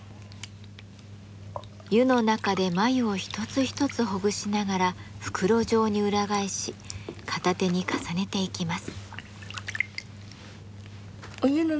湯の中で繭を一つ一つほぐしながら袋状に裏返し片手に重ねていきます。